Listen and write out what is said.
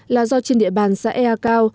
là do trên địa bàn xã ea cao